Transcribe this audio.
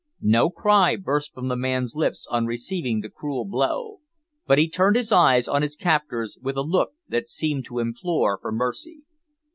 No cry burst from the man's lips on receiving the cruel blow, but he turned his eyes on his captors with a look that seemed to implore for mercy.